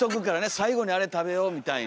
最後にあれ食べようみたいに。